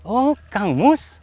oh kang mus